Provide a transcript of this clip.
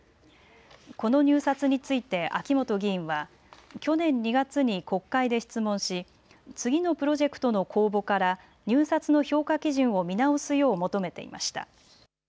この入札について秋本議員は去年２月に国会で質問し次のプロジェクトの公募から入札の評価基準を見直すよう求めていました。